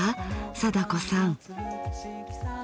貞子さん。